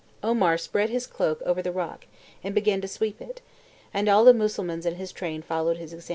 "Omar spread his cloak over the rock, and began to sweep it; and all the Mussulmans in his train followed his example."